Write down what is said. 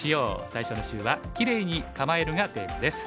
最初の週は「キレイに構える」がテーマです。